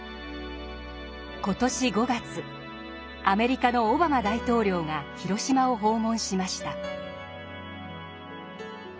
アメリカのオバマ大統領が広島を訪問しました。